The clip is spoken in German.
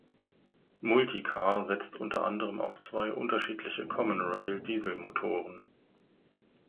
Multicar setzt unter anderem auf zwei unterschiedliche Common-Rail-Dieselmotoren.